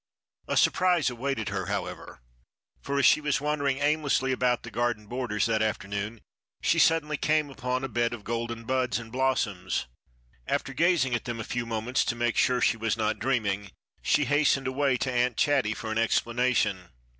A surprise awaited her, however; for, as she was wandering aimlessly about the garden borders that afternoon, she suddenly came upon a bed of golden buds and blossoms. After gazing at them a few moments to make sure she was not dreaming, she hastened away to Aunt Chatty for an explanation.